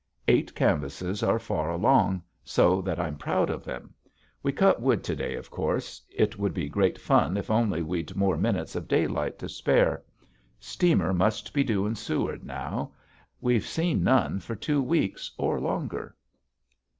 Eight canvases are far along so that I'm proud of them. We cut wood to day of course; it would be great fun if only we'd more minutes of daylight to spare. Steamer must be due in Seward now. We've seen none for two weeks or longer.